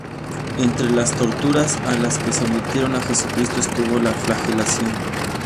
Entre las torturas a las que sometieron a Jesucristo estuvo la flagelación.